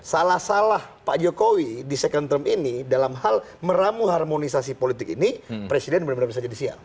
salah salah pak jokowi di second term ini dalam hal meramu harmonisasi politik ini presiden benar benar bisa jadi siang